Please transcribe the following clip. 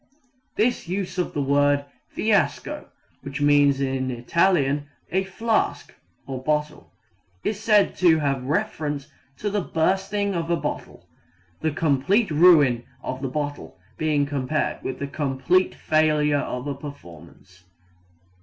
This use of the word fiasco (which means in Italian a flask, or bottle) is said to have reference to the bursting of a bottle, the complete ruin of the bottle being compared with the complete failure of a performance.